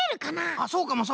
あっそうかもそうかも。